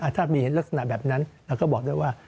ถ้ามีลักษณะแบบนั้นเราก็บอกด้วยว่า